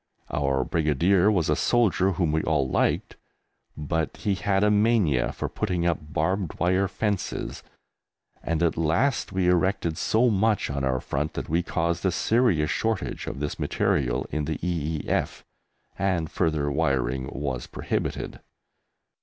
Our Brigadier was a soldier whom we all liked, but he had a mania for putting up barbed wire fences, and at last we erected so much on our front that we caused a serious shortage of this material in the E.E.F., and further wiring was prohibited.